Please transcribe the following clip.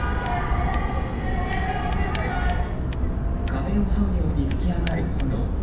壁をはうように噴き上がる炎。